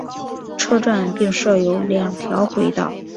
车站并设有两条轨道。